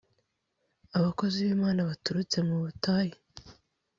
abakozibimana baturutse mu butayu.